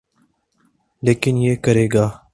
لیکن یہ کرے گا۔